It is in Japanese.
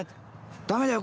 ダメだよ。